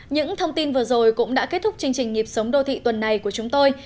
những thông tin vừa rồi cũng đã kết thúc chương trình nhịp sống đô thị tuần này của chúng tôi